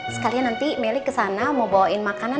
sekalian nanti meli kesana mau bawain makanan